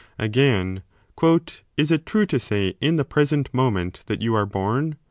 Again, Is it true to say in the present moment that you 20 are born ?